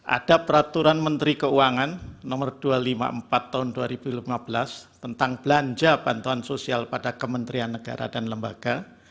ada peraturan menteri keuangan nomor dua ratus lima puluh empat tahun dua ribu lima belas tentang belanja bantuan sosial pada kementerian negara dan lembaga